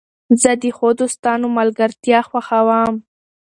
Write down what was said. زه د ښو دوستانو ملګرتیا خوښوم.